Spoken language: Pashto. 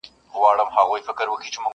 نه مرهم مي دي لیدلي نه مي څرک د طبیبانو؛